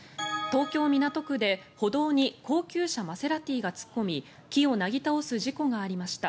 東京・港区で、歩道に高級車マセラティが突っ込み木をなぎ倒す事故がありました。